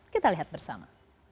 kita lihat bersama